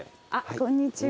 こんにちは。